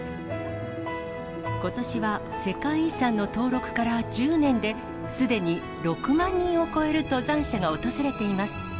ことしは世界遺産の登録から１０年で、すでに６万人を超える登山者が訪れています。